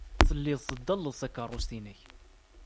Telliḍ teddaleḍ takeṛṛust-nnek.